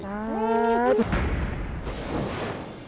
ใช่